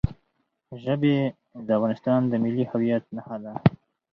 ژبې د افغانستان د ملي هویت نښه ده.